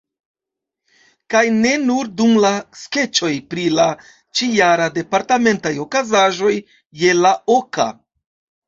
Kaj ne nur dum la skeĉoj pri la ĉijaraj departementaj okazaĵoj je la oka.